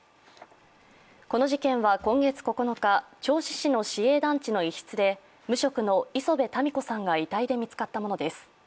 この事件は今月９日、銚子市の市営団地の一室で無職の礒辺たみ子さんが遺体で見つかったものです。